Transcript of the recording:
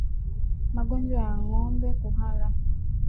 Magonjwa ya ngombe kuhara